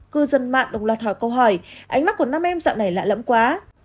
cư dân mạng đồng loạt hỏi câu hỏi ánh mắt của nam em dạo này lạ lẫm quá